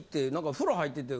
・風呂入ってて？